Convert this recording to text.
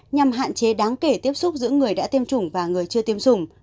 nhằm hạn chế đáng kể tiếp xúc giữa người đã tiêm chủng và người chưa tiêm chủng